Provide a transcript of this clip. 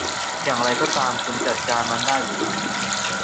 อย่างไรก็ตามคุณจัดการมันได้หรือไม่